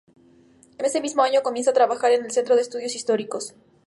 Ese mismo año comienza a trabajar en el Centro de Estudios Históricos.